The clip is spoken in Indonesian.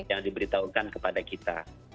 yang diberitahukan kepada kita